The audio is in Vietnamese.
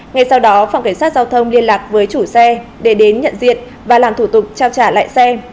ngay sau đó phòng cảnh sát giao thông liên lạc với chủ xe để đến nhận diện và làm thủ tục trao trả lại xe